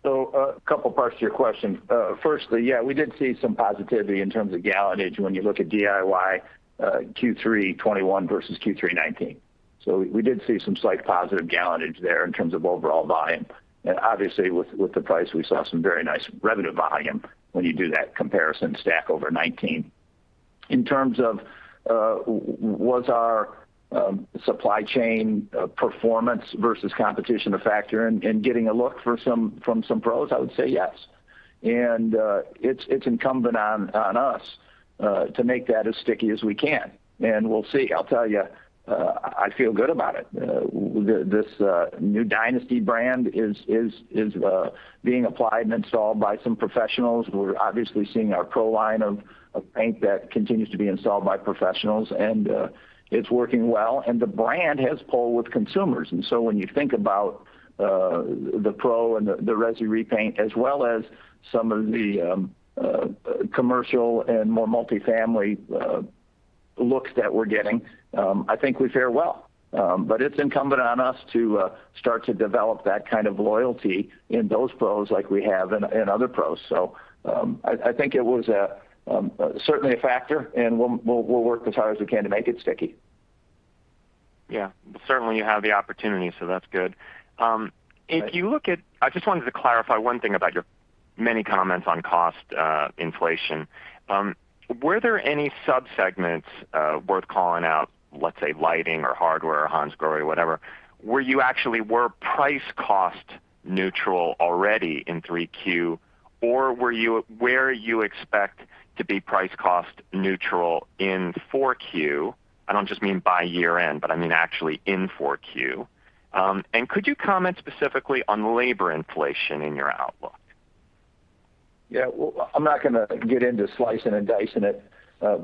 A couple parts to your question. Firstly we did see some positivity in terms of gallonage when you look at DIY, Q3 2021 versus Q3 2019. We did see some slight positive gallonage there in terms of overall volume. Obviously with the price, we saw some very nice revenue volume when you do that comparison stack over 2019. In terms of, was our supply chain performance versus competition a factor in getting a look from some pros? I would say yes. It's incumbent on us to make that as sticky as we can, and we'll see. I'll tell you, I feel good about it. This new BEHR DYNASTY brand is being applied and installed by some professionals. We're obviously seeing our Pro line of paint that continues to be installed by professionals, and it's working well. The brand has pull with consumers. When you think about the Pro and the resi repaint as well as some of the commercial and more multifamily looks that we're getting, I think we fare well. It's incumbent on us to start to develop that kind of loyalty in those pros like we have in other pros. I think it was certainly a factor, and we'll work as hard as we can to make it sticky. Yeah. Certainly, you have the opportunity, so that's good. I just wanted to clarify one thing about your many comments on cost inflation. Were there any sub-segments worth calling out, let's say lighting or hardware or Hansgrohe or whatever? Were you actually price-cost neutral already in 3Q, or were you expecting to be price-cost neutral in 4Q? I don't just mean by year-end, but I mean actually in 4Q. Could you comment specifically on labor inflation in your outlook? Yeah. Well, I'm not gonna get into slicing and dicing it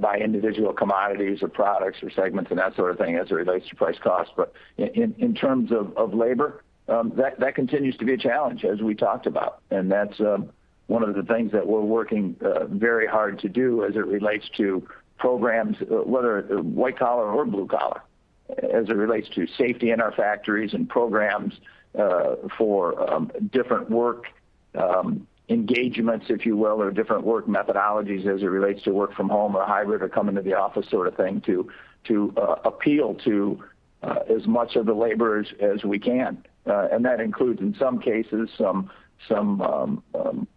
by individual commodities or products or segments and that sort of thing as it relates to price cost. In terms of labor, that continues to be a challenge, as we talked about. That's one of the things that we're working very hard to do as it relates to programs, whether white collar or blue collar, as it relates to safety in our factories and programs for different work engagements, if you will, or different work methodologies as it relates to work from home or hybrid or coming to the office sort of thing to appeal to as much of the laborers as we can. That includes, in some cases, some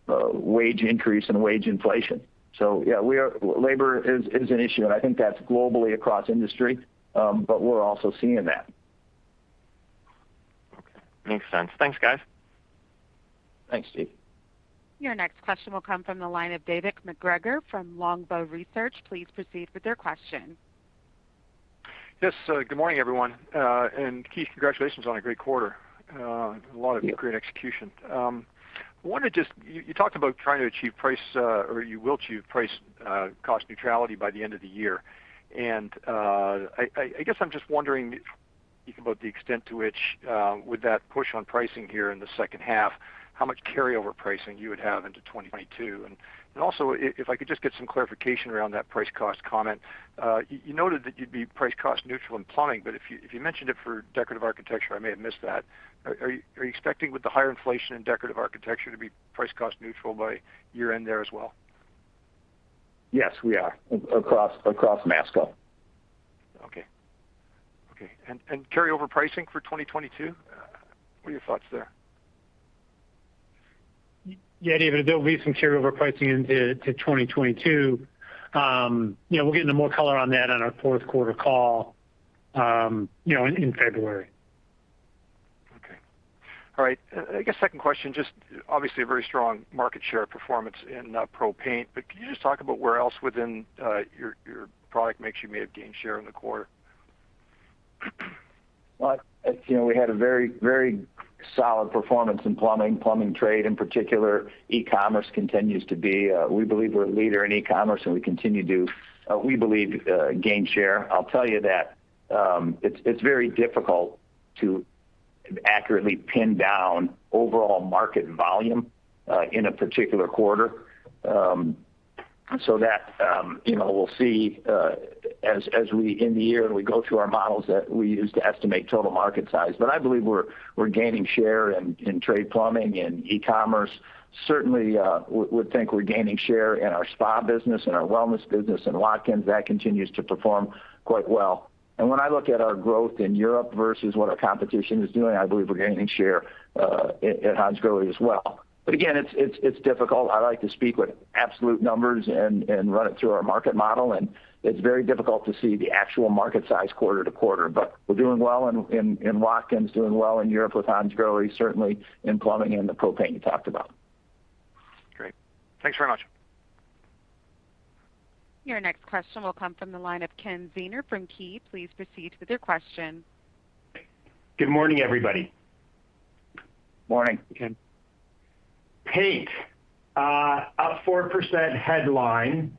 wage increase and wage inflation. Labor is an issue, and I think that's globally across industry. We're also seeing that. Okay. Makes sense. Thanks, guys. Thanks, Steve. Your next question will come from the line of David MacGregor from Longbow Research. Please proceed with your question. Yes. Good morning, everyone. Keith, congratulations on a great quarter. Thank you. A lot of great execution. I wanted just to ask you talked about trying to achieve price, or you will achieve price, cost neutrality by the end of the year. I guess I'm just wondering if you can talk about the extent to which that would push on pricing here in the second half, how much carryover pricing you would have into 2022? Also if I could just get some clarification around that price cost comment. You noted that you'd be price cost neutral in plumbing, but if you mentioned it for decorative architecture, I may have missed that. Are you expecting with the higher inflation in decorative architecture to be price cost neutral by year-end there as well? Yes, we are across Masco. Okay. Carryover pricing for 2022, what are your thoughts there? Yeah, David, there'll be some carryover pricing into 2022. We'll get into more color on that on our fourth quarter call, in February. Okay. All right. I guess second question, just obviously a very strong market share performance in pro paint, but can you just talk about where else within your product mix you may have gained share in the quarter? Well, we had a very solid performance in plumbing trade in particular. E-commerce continues to be. We believe we're a leader in e-commerce, and we continue to gain share. I'll tell you that, it's very difficult to accurately pin down overall market volume in a particular quarter. We'll see in the year when we go through our models that we use to estimate total market size. But I believe we're gaining share in trade plumbing and e-commerce. Certainly, would think we're gaining share in our spa business and our wellness business in Watkins. That continues to perform quite well. When I look at our growth in Europe versus what our competition is doing, I believe we're gaining share at Hansgrohe as well. Again, it's difficult. I like to speak with absolute numbers and run it through our market model, and it's very difficult to see the actual market size quarter to quarter. We're doing well in Watkins, doing well in Europe with Hansgrohe, certainly in plumbing and the pro paint you talked about. Great. Thanks very much. Your next question will come from the line of Ken Zener from Key. Please proceed with your question. Good morning, everybody. Morning, Ken. Paint up 4% headline.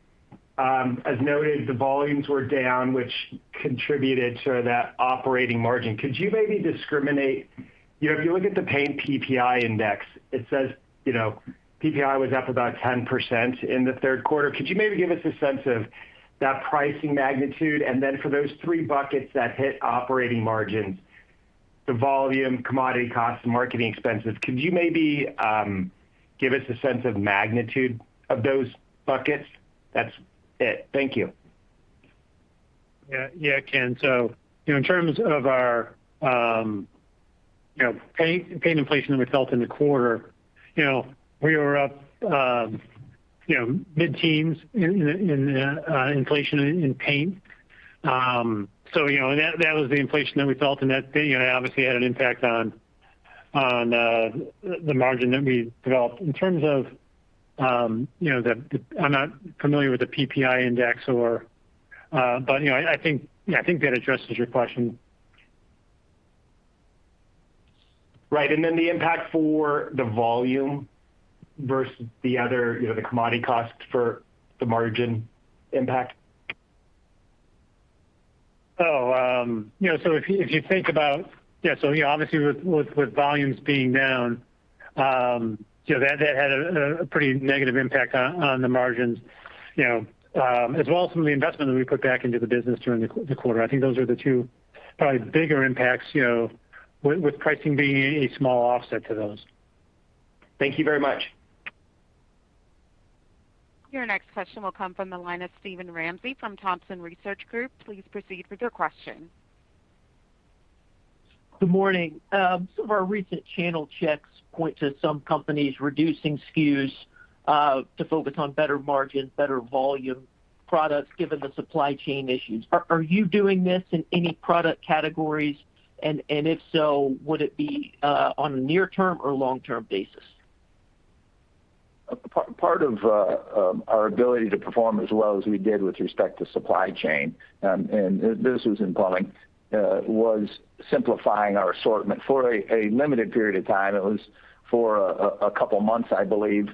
As noted, the volumes were down, which contributed to that operating margin. Could you maybe discriminate? If you look at the paint PPI index, it says, PPI was up about 10% in the third quarter. Could you maybe give us a sense of that pricing magnitude? For those three buckets that hit operating margins, the volume, commodity costs, and marketing expenses, could you maybe give us a sense of magnitude of those buckets? That's it. Thank you. Yeah, Ken. In terms of our paint inflation that we felt in the quarter, we were up mid-teens in inflation in paint. That was the inflation that we felt, and that obviously had an impact on the margin that we developed. In terms of I'm not familiar with the PPI index or but, I think that addresses your question. Right. The impact for the volume versus the other, the commodity costs for the margin impact. If you think about, obviously with volumes being down, that had a pretty negative impact on the margins, as well as some of the investment that we put back into the business during the quarter. I think those are the two probably bigger impacts, with pricing being a small offset to those. Thank you very much. Your next question will come from the line of Steven Ramsey from Thompson Research Group. Please proceed with your question. Good morning. Some of our recent channel checks point to some companies reducing SKUs to focus on better margins, better volume products, given the supply chain issues. Are you doing this in any product categories? If so, would it be on a near-term or long-term basis? Part of our ability to perform as well as we did with respect to supply chain, and this was in plumbing, was simplifying our assortment for a limited period of time. It was for a couple months, I believe,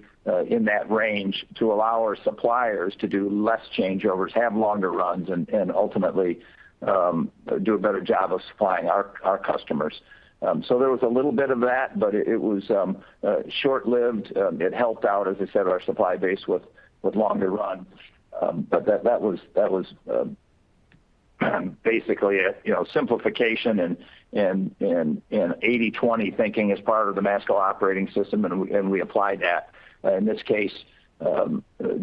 in that range, to allow our suppliers to do less changeovers, have longer runs, and ultimately do a better job of supplying our customers. There was a little bit of that, but it was short-lived. It helped out, as I said, our supply base with longer runs. That was basically a, simplification and 80/20 thinking is part of the Masco Operating System, and we apply that in this case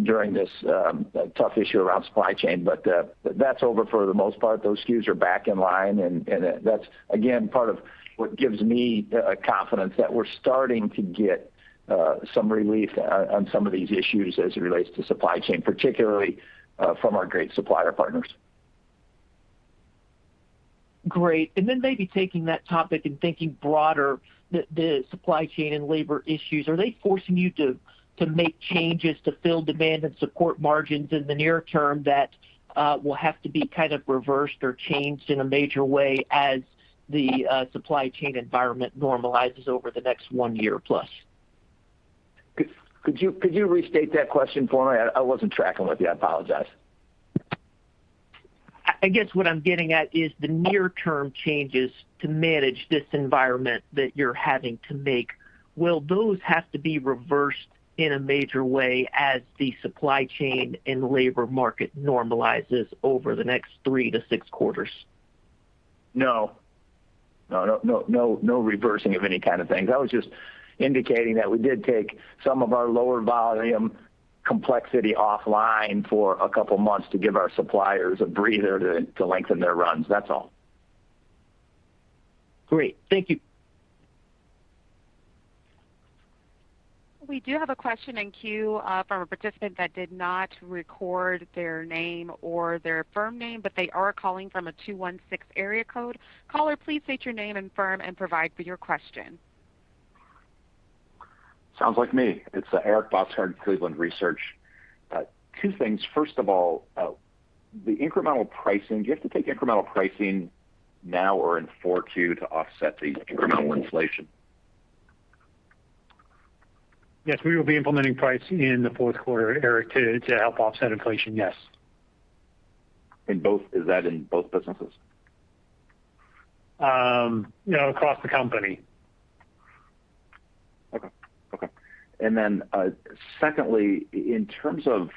during this tough issue around supply chain. that's over for the most part. Those SKUs are back in line and that's again part of what gives me the confidence that we're starting to get some relief on some of these issues as it relates to supply chain, particularly from our great supplier partners. Great. Maybe taking that topic and thinking broader, the supply chain and labor issues, are they forcing you to make changes to fill demand and support margins in the near term that will have to be kind of reversed or changed in a major way as the supply chain environment normalizes over the next one year plus? Could you restate that question for me? I wasn't tracking with you. I apologize. I guess what I'm getting at is the near term changes to manage this environment that you're having to make, will those have to be reversed in a major way as the supply chain and labor market normalizes over the next 3-6 quarters? No. reversing of any kind of things. I was just indicating that we did take some of our lower volume complexity offline for a couple months to give our suppliers a breather to lengthen their runs. That's all. Great. Thank you. We do have a question in queue from a participant that did not record their name or their firm name, but they are calling from a 216 area code. Caller, please state your name and firm, and provide for your question. Sounds like me. It's Eric Bosshard, Cleveland Research. Two things. First of all, the incremental pricing, do you have to take incremental pricing now or in 4Q to offset the incremental inflation? Yes, we will be implementing pricing in the fourth quarter, Eric, to help offset inflation. Is that in both businesses? Across the company. Okay. Secondly, in terms of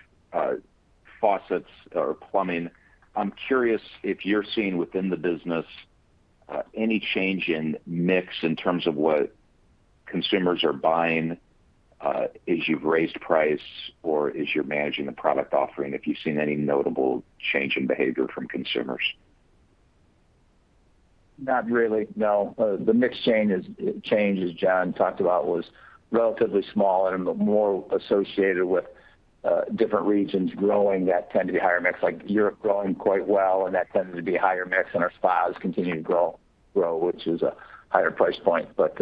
faucets or plumbing, I'm curious if you're seeing within the business any change in mix in terms of what consumers are buying as you've raised price or as you're managing the product offering, if you've seen any notable change in behavior from consumers? Not really, no. The mix change, as John talked about, was relatively small and more associated with different regions growing that tend to be higher mix, like Europe growing quite well, and that tended to be higher mix, and our spas continue to grow, which is a higher price point. But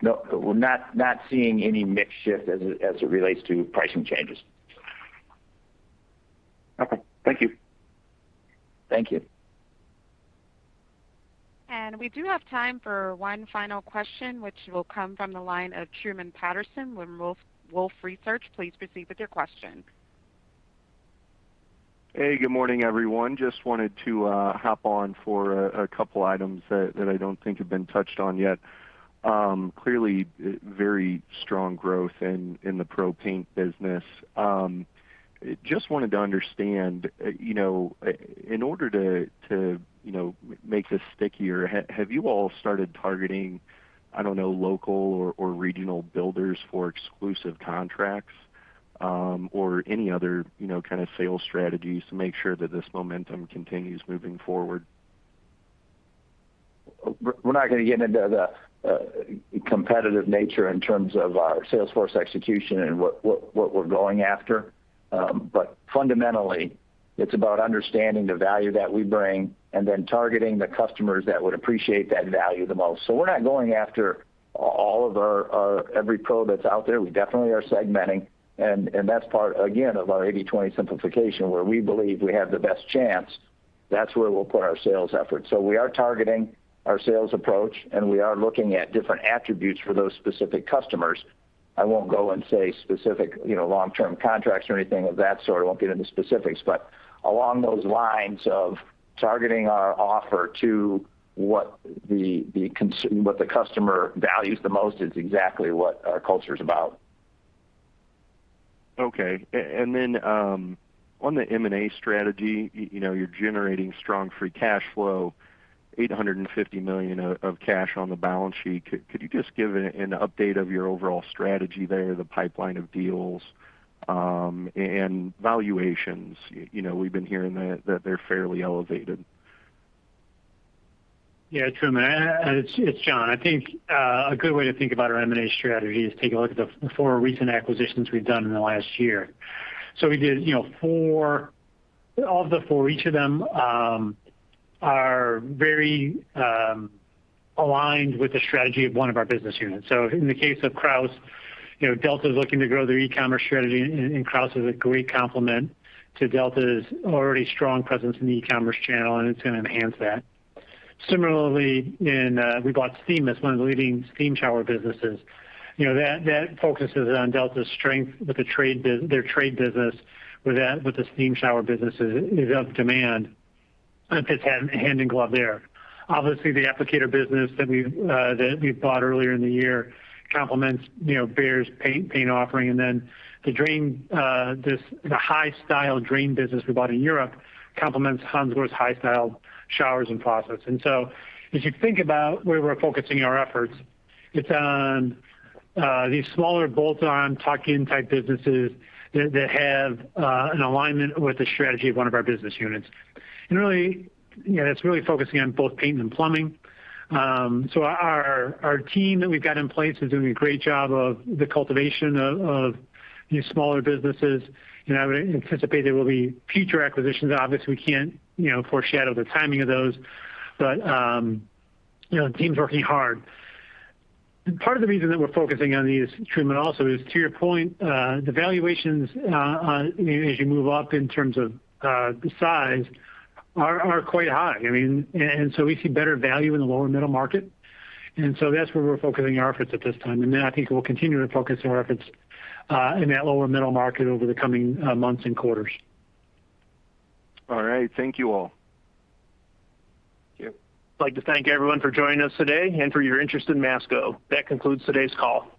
no, we're not seeing any mix shift as it relates to pricing changes. Okay. Thank you. Thank you. We do have time for one final question, which will come from the line of Truman Patterson with Wolfe Research. Please proceed with your question. Hey, good morning, everyone. Just wanted to hop on for a couple items that I don't think have been touched on yet. Clearly very strong growth in the pro paint business. Just wanted to understand, in order to, make this stickier, have you all started targeting, I don't know, local or regional builders for exclusive contracts, or any other, kind of sales strategies to make sure that this momentum continues moving forward? We're not gonna get into the competitive nature in terms of our sales force execution and what we're going after. Fundamentally, it's about understanding the value that we bring and then targeting the customers that would appreciate that value the most. We're not going after all of our every pro that's out there. We definitely are segmenting, and that's part, again, of our 80/20 simplification, where we believe we have the best chance, that's where we'll put our sales efforts. We are targeting our sales approach, and we are looking at different attributes for those specific customers. I won't go and say specific, long-term contracts or anything of that sort. I won't get into specifics. Along those lines of targeting our offer to what the customer values the most is exactly what our culture is about. Okay. On the M&A strategy, you're generating strong free cash flow, $850 million of cash on the balance sheet. Could you just give an update of your overall strategy there, the pipeline of deals, and valuations? we've been hearing that they're fairly elevated. Yeah, Truman. It's John. I think a good way to think about our M&A strategy is take a look at the four recent acquisitions we've done in the last year. We did, four. Of the four, each of them are very aligned with the strategy of one of our business units. In the case of Kraus, Delta's looking to grow their e-commerce strategy and Kraus is a great complement to Delta's already strong presence in the e-commerce channel, and it's gonna enhance that. Similarly, we bought Steamist, one of the leading steam shower businesses. that focuses on Delta's strength with their trade business with that, with the steam shower businesses is in demand. It's hand in glove there. Obviously, the applicator business that we bought earlier in the year complements, Behr's paint offering. Then the high-style drain business we bought in Europe complements Hansgrohe's high-style showers and faucets. As you think about where we're focusing our efforts, it's on these smaller bolt-on tuck-in type businesses that have an alignment with the strategy of one of our business units. Really, it's really focusing on both paint and plumbing. Our team that we've got in place is doing a great job of the cultivation of these smaller businesses. I would anticipate there will be future acquisitions. Obviously, we can't, foreshadow the timing of those. The team's working hard. Part of the reason that we're focusing on these, Truman, also is to your point, the valuations, as you move up in terms of, the size are quite high. I mean, and so we see better value in the lower middle market. That's where we're focusing our efforts at this time. I think we'll continue to focus our efforts in that lower middle market over the coming months and quarters. All right. Thank you all. Thank you. I'd like to thank everyone for joining us today and for your interest in Masco. That concludes today's call.